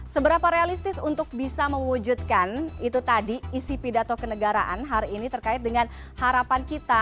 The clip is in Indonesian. seberapa realistis untuk bisa mewujudkan itu tadi isi pidato kenegaraan hari ini terkait dengan harapan kita